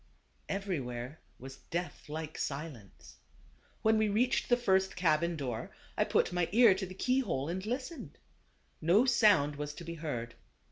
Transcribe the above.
Everywhere was death like silence. When we reached the first cabin door, I put my ear to the key hole and listened. No sound was to be heard.